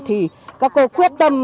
thì các cô quyết tâm